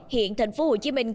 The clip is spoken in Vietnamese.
hiện tp hcm khởi hợp với tp hcm